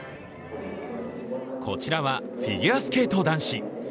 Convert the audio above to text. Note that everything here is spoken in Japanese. こちらはフィギュアスケート男子。